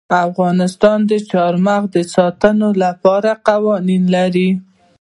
افغانستان د چار مغز د ساتنې لپاره قوانین لري.